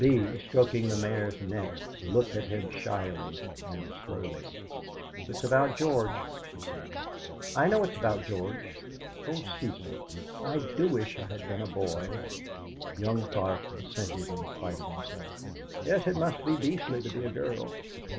Bee, stroking the mare's neck, looked at him shyly and slowly. "It's about George," she said; "I know it's about George! Oh, Cecil! I do wish I had been a boy!" Young Tharp assented in spite of himself: "Yes; it must be beastly to be a girl."